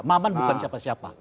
maman bukan siapa siapa